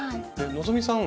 希さん